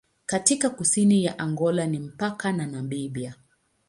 Katika kusini ya Angola ni mpaka na Namibia.